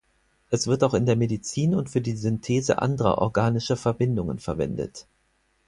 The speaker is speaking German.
Es wird auch in der Medizin und für die Synthese anderer organischer Verbindungen verwendet.